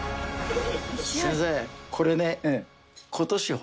先生これね。